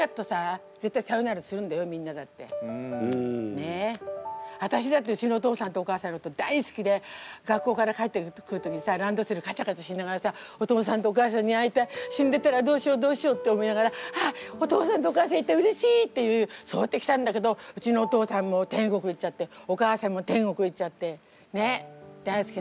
ねえ私だってうちのお父さんとお母さんのこと大好きで学校から帰ってくる時にさランドセルカチャカチャしながらさお父さんとお母さんに会いたい死んでたらどうしようどうしようって思いながらああお父さんとお母さんいてうれしい！っていうそうやってきたんだけどうちのお父さんも天国行っちゃってお母さんも天国行っちゃってねっ大好きなね